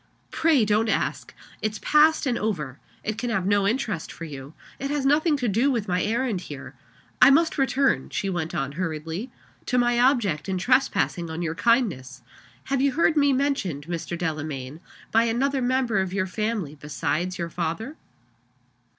"Pray don't ask! It's past and over it can have no interest for you it has nothing to do with my errand here. I must return," she went on, hurriedly, "to my object in trespassing on your kindness. Have you heard me mentioned, Mr. Delamayn, by another member of your family besides your father?"